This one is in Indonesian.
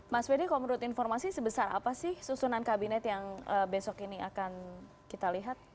mas fedy kalau menurut informasi sebesar apa sih susunan kabinet yang besok ini akan kita lihat